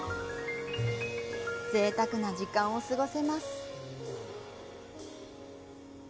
ぜいたくな時間を過ごせます。